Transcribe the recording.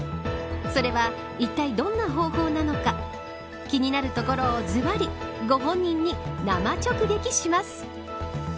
それは、いったいどんな方法なのか気になるところをずばりご本人に生直撃します。